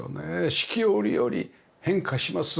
四季折々変化します。